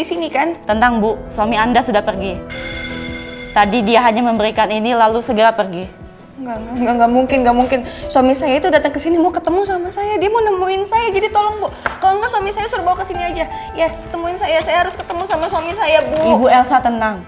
ibu elsa tenang